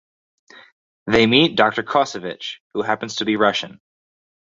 They meet Doctor Kosevich who happens to be Russian.